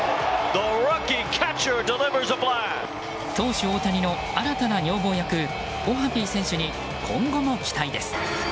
投手・大谷の新たな女房役オハピー選手に今後も期待です。